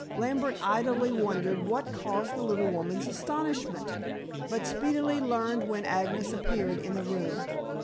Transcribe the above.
Lambert idly wondered what caused the little woman's astonishment, but speedily learned when Agnes appeared in the room.